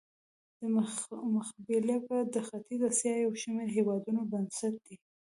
دا مخبېلګه د ختیځې اسیا یو شمېر هېوادونو بنسټ دی.